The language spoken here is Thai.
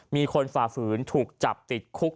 ฝ่าฝืนถูกจับติดคุก